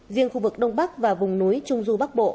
riêng khu vực đông bắc và vùng núi trung du bắc bộ